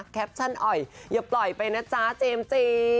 แคปชั่นอ่อยอย่าปล่อยไปนะจ๊ะเจมส์จี